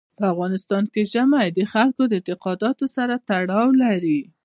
په افغانستان کې ژمی د خلکو د اعتقاداتو سره تړاو لري.